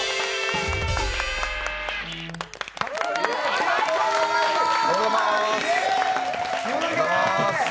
ありがとうございます。